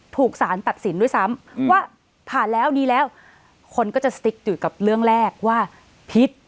ถูกสารตัดสินด้วยซ้ำว่าผ่านแล้วนี้แล้วคนก็จะสติ๊กอยู่กับเรื่องแรกว่าพิษ